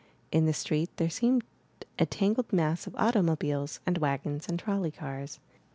In the street there seemed a tangled mass of automobiles and wagons and trol ley cars.